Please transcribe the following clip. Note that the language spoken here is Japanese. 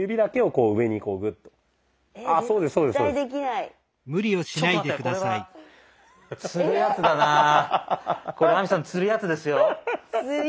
これ亜美さんつるやつですよ。